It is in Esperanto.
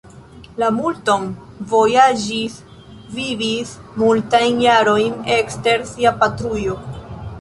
Li multon vojaĝis, vivis multajn jarojn ekster sia patrujo.